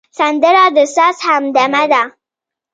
سندره د ساز همدمه ده